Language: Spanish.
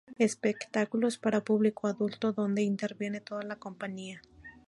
Espectáculos para público adulto donde interviene toda la compañía.